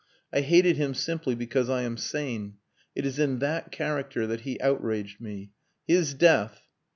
I hated him simply because I am sane. It is in that character that he outraged me. His death..."